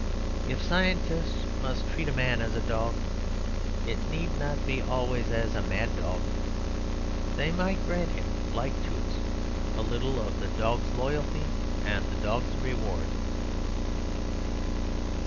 If scientists must treat a man as a dog, it need not be always as a mad dog. They might grant him, like Toots, a little of the dog's loyalty and the dog's reward.